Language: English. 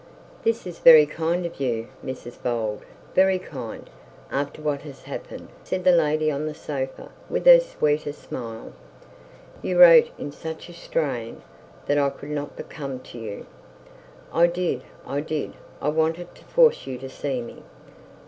'This is very kind of you, Mrs Bold; very kind, after what has happened,' said the lady on the sofa with her sweetest smile. 'You wrote in such a strain that I could not but come to you.' 'I did, I did; I wanted to force you to see me.'